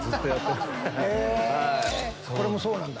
これもそうなんだ。